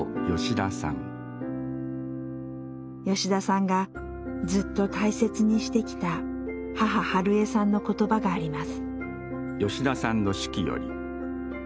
吉田さんがずっと大切にしてきた母ハルヱさんの言葉があります。